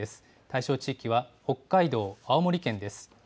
対象地域は北海道、青森県です。